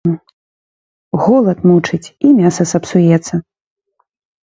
Голад мучыць, і мяса сапсуецца.